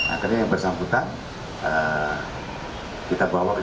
akhirnya yang bersangkutan kita bawa ke